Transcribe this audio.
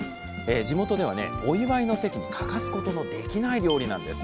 地元ではねお祝いの席に欠かすことのできない料理なんです。